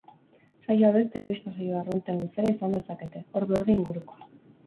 Saio hauek telebista-saio arrunten luzera izan dezakete, ordu erdi ingurukoa.